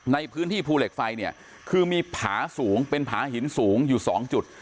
ในพื้นที่ภูเหล็กไฟเนี่ยคือมีผาสูงเป็นผาหินสูงอยู่๒จุด